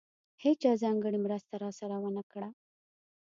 هېچا ځانګړې مرسته راسره ونه کړه.